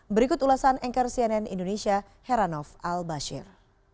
berikut ulasan anchor cnn indonesia heranov al bashir